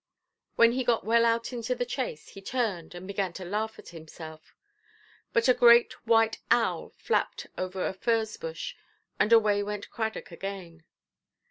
When he got well out into the chase, he turned, and began to laugh at himself; but a great white owl flapped over a furze–bush, and away went Cradock again.